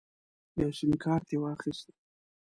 یو سیم کارت یې واخیست.